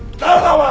お前！